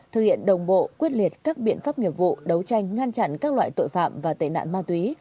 thực hiện đồng bộ quyết liệt các biện pháp nghiệp vụ đấu tranh ngăn chặn các loại tội phạm và tệ nạn ma túy